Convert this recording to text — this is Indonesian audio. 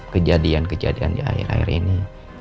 kejadian kejadian di akhir akhir ini